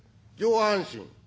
上半身。